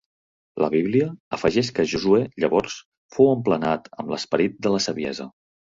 La Bíblia afegeix que Josuè llavors "fou emplenat amb l'esperit de la saviesa".